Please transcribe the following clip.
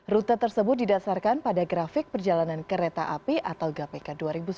rute tersebut didasarkan pada grafik perjalanan kereta api atau gapk dua ribu sembilan belas